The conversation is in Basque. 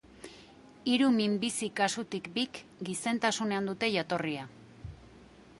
Hiru minbizi-kasutik bik gizentasunean dute jatorria.